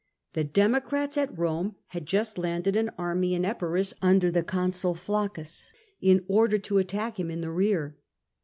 The Democrats at Eome had just landed an army in Epirus under the Consul Fiaccus, in order to attack him in the rear.